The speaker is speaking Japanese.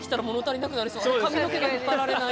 髪の毛が引っ張られない。